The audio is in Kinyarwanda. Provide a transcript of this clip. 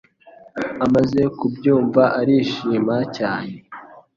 Amaze kubyumva, arishima cyane